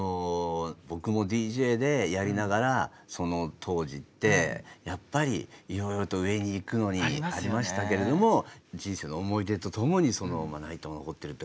僕もＤＪでやりながらその当時ってやっぱりいろいろと上に行くのにありましたけれども人生の思い出と共にそのまな板も残ってるって感じですよね。